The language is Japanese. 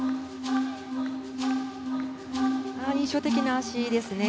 印象的な脚ですね。